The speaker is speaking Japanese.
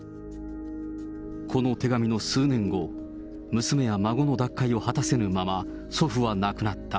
この手紙の数年後、娘や孫の脱会を果たせぬまま、祖父は亡くなった。